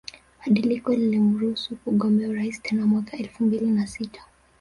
Badiliko lililomruhusu kugombea urais tena mwaka elfu mbili na sita